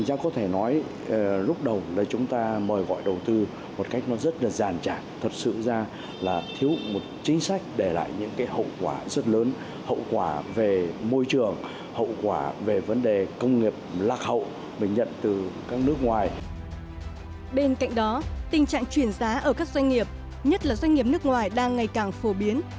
bên cạnh đó tình trạng chuyển giá ở các doanh nghiệp nhất là doanh nghiệp nước ngoài đang ngày càng phổ biến